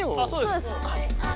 そうです。